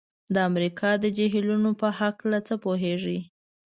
د امریکا د جهیلونو په هلکه څه پوهیږئ؟